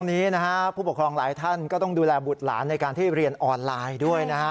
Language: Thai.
วันนี้นะฮะผู้ปกครองหลายท่านก็ต้องดูแลบุตรหลานในการที่เรียนออนไลน์ด้วยนะฮะ